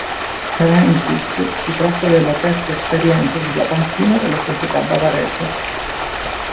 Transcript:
Per Heynckes si tratta della terza esperienza sulla panchina della società bavarese.